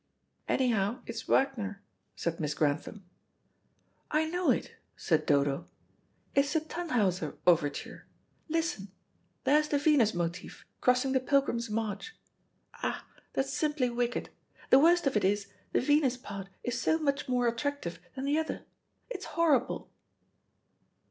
"Anyhow, it's Wagner," said Miss Grantham. "I know it," said Dodo. "It's the 'Tannhauser' overture. Listen, there's the Venus motif crossing the Pilgrim's march. Ah, that's simply wicked. The worst of it is, the Venus part is so much more attractive than the other. It's horrible."